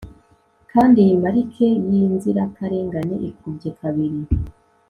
kandi iyi marike yinzirakarengane ikubye kabiri